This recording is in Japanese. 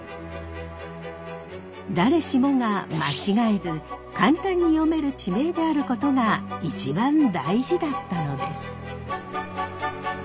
誰しもが間違えず簡単に読める地名であることが一番大事だったのです。